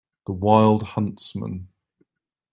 The wild huntsman.